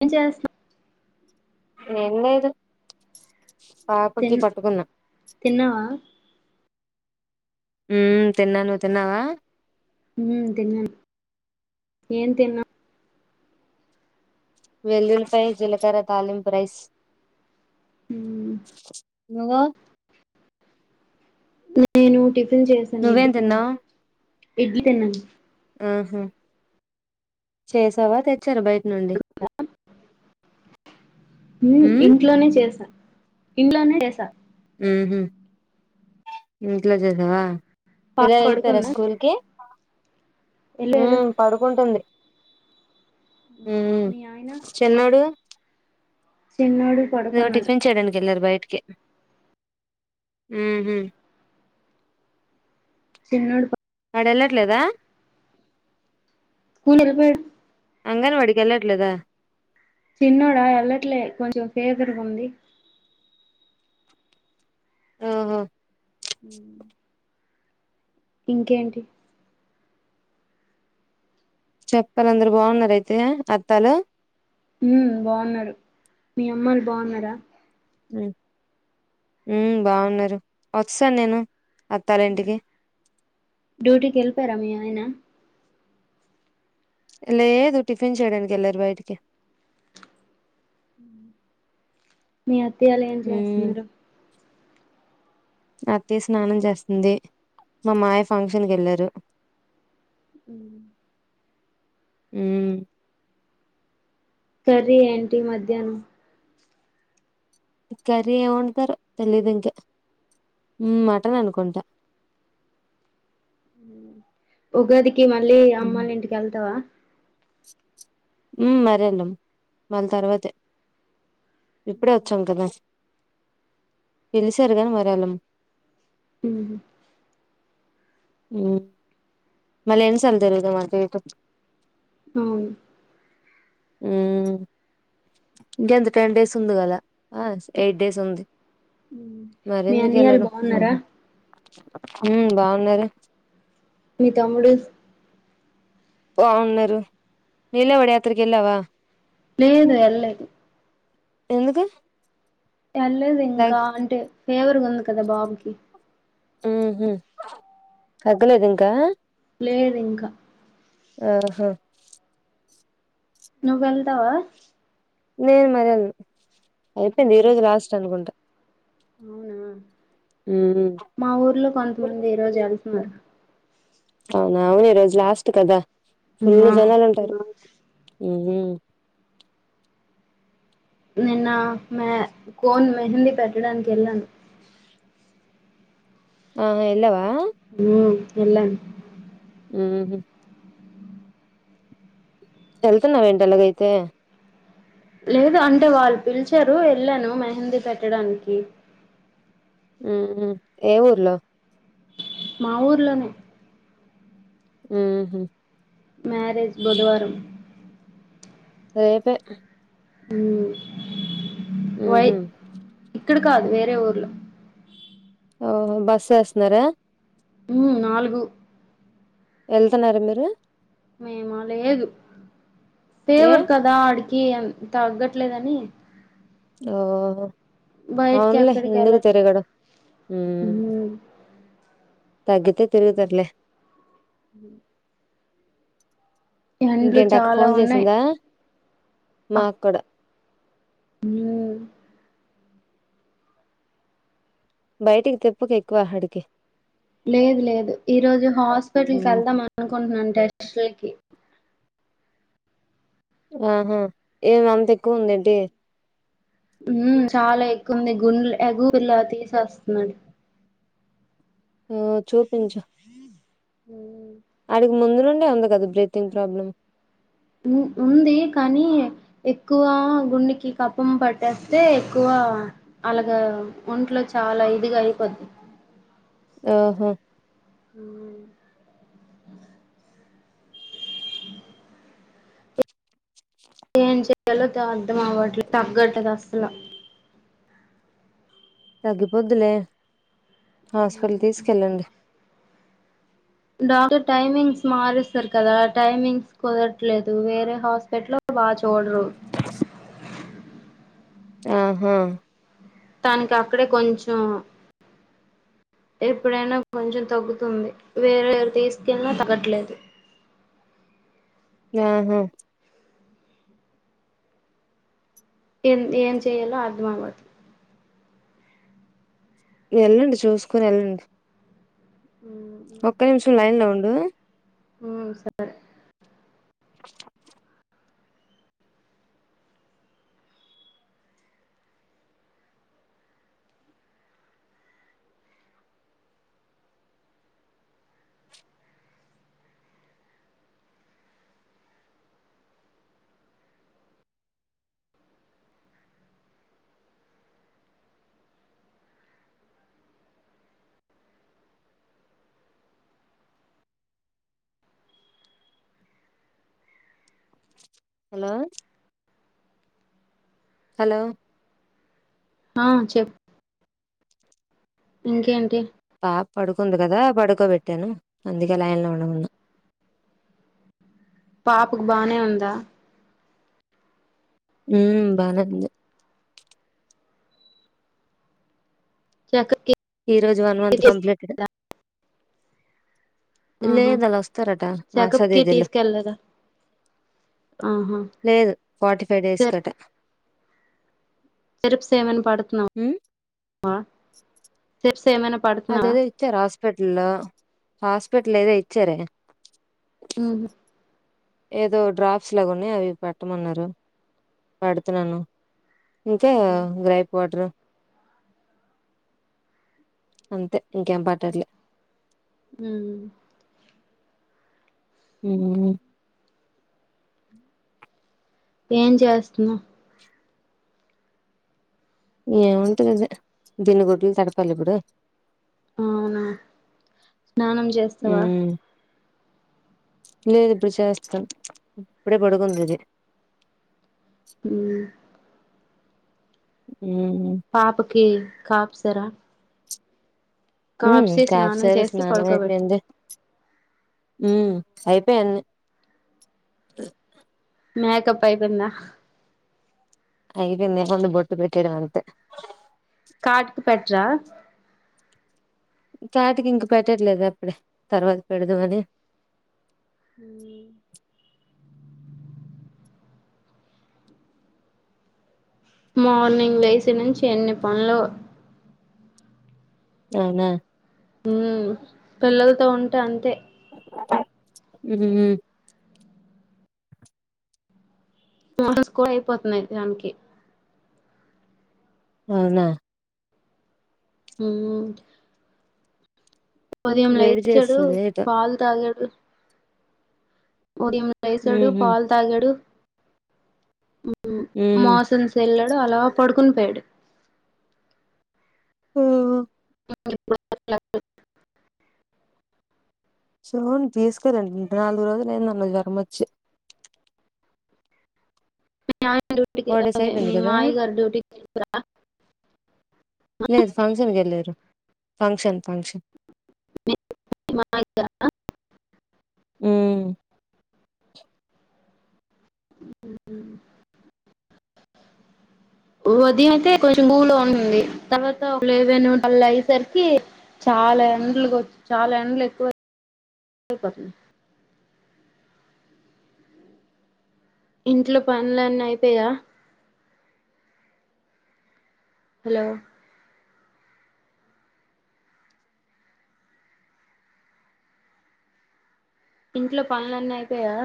ఏం చేస్ ఏం లేదు తిన్ పాపకి పట్టుకున్నా తిన్నావా మ్ తిన్నా నువ్వు తిన్నావా మ్ తిన్నాను ఏం తిన్న వెల్లుల్పై జీలకర తాలింపు రైస్ ఉమ్ నువ్వో నేను టిఫిన్ చేసాను ఇడ్లీ తిన్ తిన్నావ్ ఇడ్లీ తిన్నాను ఆహా చేసావా తెచ్చార బయటి నుండి ఉమ్ మ్మ్ ఇంట్లోనే చేసా ఇంట్లోనే చేసా ఉహు ఇంట్లో జేశావా పాప పిల్లలు వెళ్ళిపోయార పడుకుందా స్కూల్ కి వెళ్ళారు ఉమ్ పడుకుంటుంది ఉమ్ మీ ఆయన చిన్నోడు చిన్నోడు ఇదిగో పడుకున్నాడు టిఫిన్ చేయడానికి ఎల్లరు బయటకి కె ఉహు చిన్నోడు ప వాడేళ్ళట్లేదా స్కూల్ ఎలిపోయాడ్ అంగన్ వాడికి ఎళ్ళట్లేదా చిన్నోడా ఎల్లట్లే కొంచం ఫీవర్ గుంది ఓహో ఉమ్ ఇంకేంటి చెప్పాలందరు బాగున్నారైయితే అత్తాలు ఉమ్ బాగున్నారు మీ అమ్మోలు బాగున్నారా ఉ ఉమ్ బాగున్నారు వచేసను నేను అత్తాలింటికి డ్యూటీ కెళ్లిపోయారా మీ ఆయనా లేదు టిఫిన్ చేయడానికి వెళ్ళరు బయటికి ఊ మీ అత్తియలు ఎం జేస్తున్నారు అత్తయ స్నానం జస్తుంది మా మామాయ్య ఫంక్షన్ కేళ్లారు ఉ ఉమ్ కర్రీ ఏంటి మధ్యనం కర్రీ ఏమండుతారో తెలీదు ఇంకా మటన్ అనుకుంటా ఉగాదికి మళ్ళీ అమ్మల ఇంటికి ఎళ్తావా ఉమ్ మరేళ్లు మళ్ళీ తర్వాతే ఇప్పుడే వచ్చాం గదా పిలిసారు గాని మరేలం ఉహు ఉమ్ మళ్ళ ఏం సంగతి తెలీదు మాకు ఏటో అవును ఊ ఇంకెంత టెన్ డేస్ ఉంది గదా అ ఎయిట్ డేస్ ఉంది మీ మరేందుకు అన్నయ్యలు ఎళ్ళడం బాగున్నారా మల్లి ఉమ్ బాగున్నారు మీ తమ్ముడు బావున్నారు నీలవాడ యాత్రకి వెళ్ళావా లేదు ఎల్లెదు ఎందుకు ఏళ్ళేదింకా అంటే ఫేవర్ ఉంది కదా బాబుకి ఉహు తగ్గలేద ఇంకా లేదింకా ఓహో నువ్వెళ్తావా నేను మరెళ్లను అయిపోయింది ఈ రోజు లాస్ట్ అనుకుంటా ఉమ్ మా ఊర్లో కొంతమంది ఈ రోజు ఎళ్తున్నారు అవునా అవును ఈ రోజు లాస్ట్ కదా ఫుల్ ఆ జనాలు ఉంటారు ఉ ఉమ్ నిన్న మె కోన్ మెహందీ పెట్టడానికి ఎళ్ళాను ఆ ఎళ్లావా ఉమ్ ఎళ్లాను ఉ హు ఎళ్తున్నావ ఏంటి అలాగైతే లేదు అంటే వాళ్ళు పిలిచారు వెళ్లాను మెహందీ పెట్టడానికి ఉహు ఏ ఊర్లో మా ఊర్లోనే ఉహు మ్యారేజ్ బుధవారం రేపే ఉమ్ వై ఓహో ఇక్కడ కాదు వే ఎ ఊర్లో ఓహో బస్ ఎస్తున్నారా ఉమ్ నాలుగు ఎళ్తున్నార మీరు మేమ లేదు ఏ దేవుడు కదా అడి కి ఎం తగ్గట్లేదని ఓ బయటికి అవునులే అక్కడికి ఎందుకు వెళ్ళట్లే తిరగడం మ్మ్. తగ్గితే తిరుగుతర్లే ఉమ్ ఎండ్లు చాలా ఉన్నాయి నాక్కుడ ఊ బయటికి తిప్పుక ఎక్కువాడికి లేదు లేదు ఈ రోజు హాస్పిటల్ ఉమ్ కెళ్దాం అనుకుంటున్నాను టెస్టులకి ఆహా ఏం అంత ఎక్కువ ఉందేంటి ఉమ్ చాలా ఎక్కువుంది గుంలు ఎగులా తీసేస్తున్నాడు ఉ చూపించు మ్మ్. అడి ముందు నుండే ఉంది కదా బ్రీతింగ్ ప్రాబ్లమ్ ఉమ్ ఉంది కానీ ఎక్కువ గుండెకి కపం పట్టేస్తే ఎక్కువ క అలాగా ఒంట్లో చాలా ఇదిగా అయిపోద్ది ఒ హొ ఏం చేయాలో క అర్థం అవ్వట్లే తగ్గట్లేదు అస్సల తగ్గిపోద్దులే హాస్పిటల్ తీసుకెళ్ళండి డాక్టర్ టైమింగ్స్ మారుస్తరు కదా టైమింగ్స్ కుదరట్లేదు వేరే హాస్పిటలో బా చూడరు ఆహా తనకి అక్కడే కొంచెం ఎప్పుడైనా కొంచెం తగ్గుతుంది వేరేవరు తీసుకెళ్ళిన తగ్గట్లేదు ఆహా ఎం ఏం చేయాలో అర్థం అవ్వట్లే ఎళ్ళండి చూసుకొని ఎళ్ళండి ఉ ఒక్క నిమిషం లైన్ లో ఉండు ఉమ్ సరే హలో హలో ఆ చెప్ ఇంకేంటి పాప పడుకుంది కదా పడుకోబెట్టాను అందుకే లైన్ లో ఉండమన్నా పాపకు బానే ఉందా ఉ బానే ఉంది చెకకి ఈ రోజు వన్ మంత్ కంప్లీటెడ్ ఆహా లేదలా ఒస్తారట చెకప్ కి ఆసదేదలు తీసుకెళ్లేదా ఆహా లేదు ఫార్టీ ఫైవ్ డేస్ కట సీరప్స్ ఏమన్నా పడుతున్నా ఉమ్ వ సే అదేదో ఇచ్చారు హోపిటల్లో హాస్పిటల్లో ఏదో ఇచ్చారె ఉ ఏదో డ్రాప్స్ లా గున్నయి అవి పెట్టమన్నారు పెడుతున్నాను ఇంకా గ్రైప్ వాటరు అంతే ఇంకేం పాటట్లే ఉ ఉ హు ఏం చేస్తున్నావ్ ఏముంటందది దీన్ని గుడ్లు తడపాలి ఇప్పుడు అవునా స్నానం చేస్తవా హ్మ్ లేదు ఇప్పుడు చేస్తాం ఇప్పుడే పడుకుందది ఉ ఉ పాపుకి కాప్ సర ఉ కాప్సారు చేసి స్నానం పడుకోబెట్టు అయిపోయింది ఉ ఐపోయింది మేకప్ అయిపోయిందా ఐపోయింది ఓన్లీ బొట్టు పెట్టడం అంతే కాటుక పెట్రా చాటికి ఇంక పెట్టట్లేదు అప్పుడే తర్వాత పెడుదువని మార్నింగ్ లేసి నుంచి ఎన్ని పనులో అవునా ఉ పిల్లలతో ఉంటే అంతే ఉ హు ఫొటోస్ కూడా అయిపోతున్నాయి దానికి అవునా ఉ ఉదయం వేడి లేచాడు చేస్తుంది ఏటో పాల్ తాగాడు ఉదయం లేసుడు హ్మ్ హ్మ్ పాలు తాగాడు మోసన్స్ ఎళ్ళాడు అలా పడుకొని పోయాడు ఆ సోన్ తీసుకరండి నాలుగు రోజులు అయింది అన్నావ్ జ్వరం వచ్చి మీ ఆయన డ్యూటీకి ఫోర్ డేస్ అదే అయిపోయింది మీ కదా మావయ్య గారు డ్యూటీకెల్లారా లేదు ఫంక్షన్కి వెళ్ళారు ఫంక్షన్ ఫంక్షన్ మి మావయ్య గారా ఉ ఉ ఉదయం అయితే కొంచెం గూలో ఉన్నింది తర్వాత ఒక లెవెను టెల్వ్ అయ్యేసరికి చాల చాలా ఎండలుకి చాలా ఎండలు ఎక్కువైపోతున్నాయ్ ఇంట్లో పన్లు అన్నీ అయిపోయా హలో ఇంట్లో పన్లన్నీ అయిపోయయా